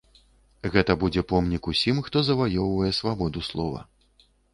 Гэта будзе помнік усім, хто заваёўвае свабоду слова.